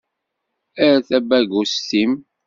Err tabagust-im.